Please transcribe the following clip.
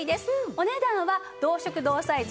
お値段は同色同サイズ